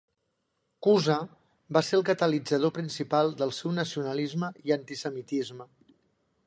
Cuza va ser el catalitzador principal del seu nacionalisme i antisemitisme.